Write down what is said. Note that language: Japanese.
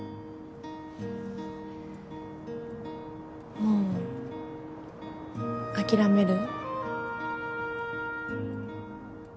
もう諦める？